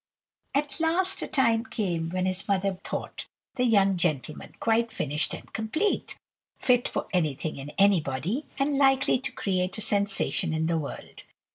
"At last, a time came when his mother thought the young gentleman quite finished and complete; fit for anything and anybody, and likely to create a sensation in the world.